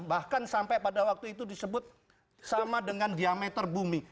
bahkan sampai pada waktu itu disebut sama dengan diameter bumi